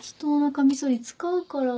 カミソリ使うから。